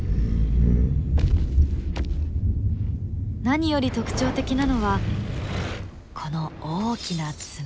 何より特徴的なのはこの大きな爪。